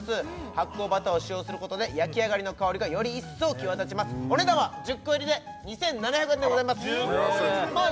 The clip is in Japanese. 発酵バターを使用することで焼き上がりの香りがより一層際立ちますお値段は１０個入りで２７００円でございます１０個入りで２７００円